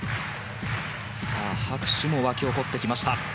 拍手も沸き起こってきました。